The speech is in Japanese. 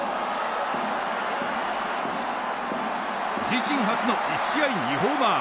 自身初の１試合２ホーマー。